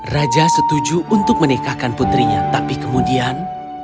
raja setuju untuk menikahkan putrinya tapi kemudian